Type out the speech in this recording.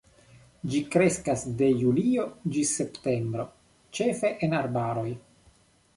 Ĝi kreskas de julio ĝis septembro, ĉefe en arbaroj.